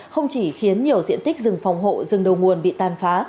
không chỉ khiến nhiều diện tích rừng phòng hộ rừng đầu nguồn bị tàn phá